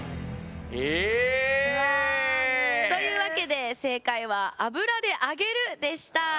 ええ。というわけで正解は油で揚げるでした。